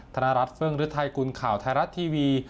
ธนรัฐเฟื่องฤทัยกุลข่าวไทยรัฐทีวี